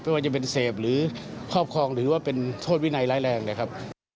ว่าจะเป็นเสพหรือครอบครองหรือว่าเป็นโทษวินัยร้ายแรงนะครับ